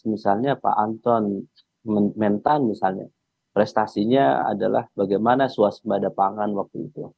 misalnya pak anton mentan misalnya prestasinya adalah bagaimana swasembada pangan waktu itu